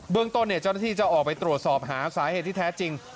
เรื่องต้นเจ้าหน้าที่จะออกไปตรวจสอบหาสาเหตุที่แท้จริง